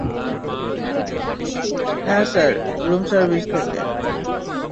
হ্যাঁ, sir, room service থেকে।